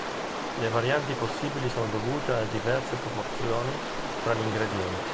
Le varianti possibili sono dovute alle diverse proporzioni fra gli ingredienti.